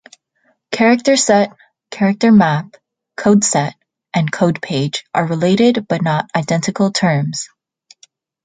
"Character set", "character map", "codeset" and "code page" are related, but not identical, terms.